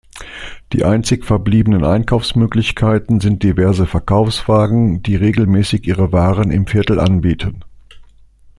Die einzig verbliebenen Einkaufsmöglichkeiten sind diverse Verkaufswagen, die regelmäßig ihre Waren im Viertel anbieten.